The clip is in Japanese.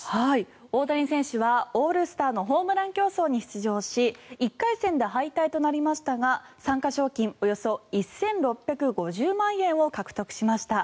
大谷選手はオールスターのホームラン競争に出場し１回戦で敗退となりましたが参加賞金およそ１６５０万円を獲得しました。